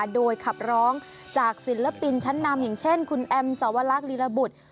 โดยขับร้องจากศิลปินชั้นนำอย่างเช่นคุณแอมสวรรคลีระบุตร